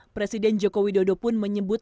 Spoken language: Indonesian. presiden joko widodo pun menyebut